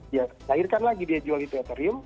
dia lahirkan lagi dia jual itu ethereum